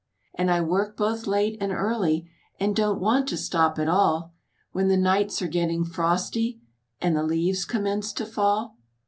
And I work both late and early And don't want to stop at all, When the nights are getting frosty And the leaves commence to fall.